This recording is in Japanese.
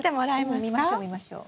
見ましょう見ましょう。